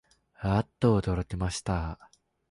あっとおどろきました